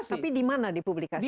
tapi di mana dipublikasikan